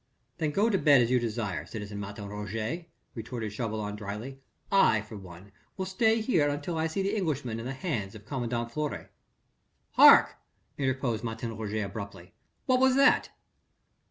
"Then go to bed an you desire, citizen Martin Roget," retorted Chauvelin drily, "I for one will stay here until I see the Englishman in the hands of commandant Fleury." "Hark," interposed Martin Roget abruptly. "What was that?"